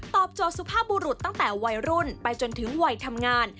โจทย์สุภาพบุรุษตั้งแต่วัยรุ่นไปจนถึงวัยทำงาน